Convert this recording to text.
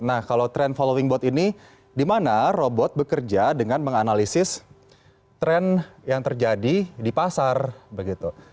nah kalau tren following bot ini di mana robot bekerja dengan menganalisis tren yang terjadi di pasar begitu